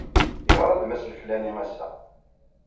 Yeɣra-d Mass Leflani ass-a.